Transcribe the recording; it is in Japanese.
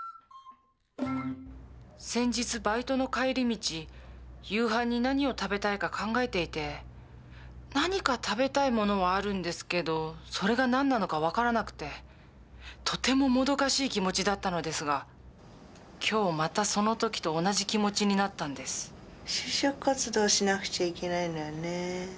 先日バイトの帰り道夕飯に何を食べたいか考えていて何か食べたいものはあるんですけどそれが何なのか分からなくてとてももどかしい気持ちだったのですが今日またその時と同じ気持ちになったんです就職活動しなくちゃいけないのよね。